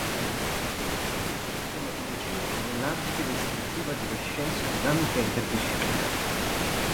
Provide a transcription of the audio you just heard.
Definì l'ematologia come la "arte descrittiva di una scienza dinamica e interdisciplinare".